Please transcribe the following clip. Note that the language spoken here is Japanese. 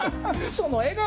その笑顔！